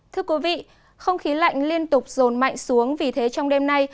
thưa quý vị không khí lạnh liên tục rồn mạnh xuống vì thế trong đêm nay